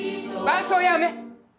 伴奏やめ。